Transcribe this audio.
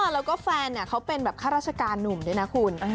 แล้วก็แฟนเขาเป็นแบบข้าราชการหนุ่มด้วยนะคุณ